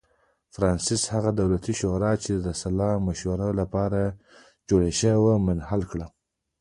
فرانسس هغه دولتي شورا چې د سلا مشورو لپاره جوړه شوې وه منحل کړه.